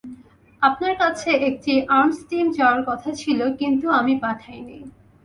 আপনার কাছে একটি আর্মস টিম যাওয়ার কথা ছিল, কিন্তু আমি পাঠাইনি।